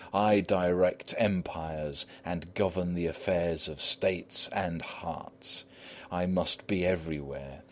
I direct empires and govern the affairs of States and of hearts. I must be everywhere.